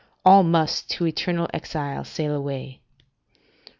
All must to eternal exile sail away."